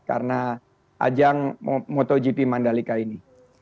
karena ajang motogp mandalika ini